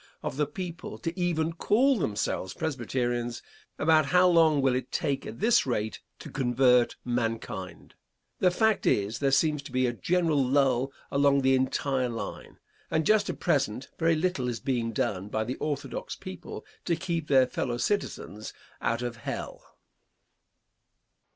of the people to even call themselves Presbyterians, about how long will it take, at this rate, to convert mankind? The fact is, there seems to be a general lull along the entire line, and just at present very little is being done by the orthodox people to keep their fellow citizens out of hell.